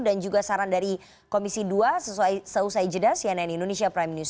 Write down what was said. dan juga saran dari komisi dua sesuai jeda cnn indonesia prime news